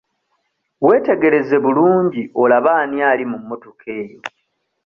Weetegereze bulungi olabe ani ali mu mmotoka eyo.